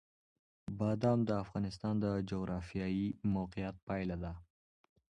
بادام د افغانستان د جغرافیایي موقیعت پایله ده.